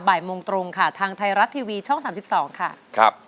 บ่ายโมงตรงทางไทรัสทีวีช่อง๓๒ค่ะ